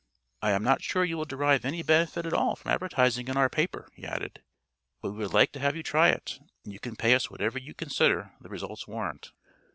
"I am not sure you will derive any benefit at all from advertising in our paper," he added; "but we would like to have you try it, and you can pay us whatever you consider the results warrant."